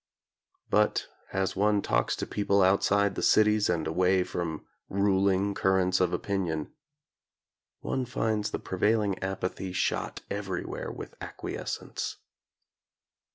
But as one talks to people outside the cities and away from ruling currents of opinion, one finds the pre vailing apathy shot everywhere with acquiescence.